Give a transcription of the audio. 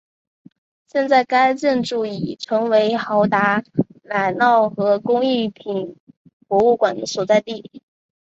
现在该建筑已成为豪达奶酪和工艺品博物馆的所在地。